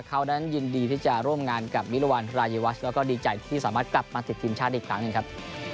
เขานั้นยินดีที่จะร่วมงานกับมิรวรรณรายวัชแล้วก็ดีใจที่สามารถกลับมาติดทีมชาติอีกครั้งหนึ่งครับ